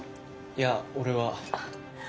いや俺は。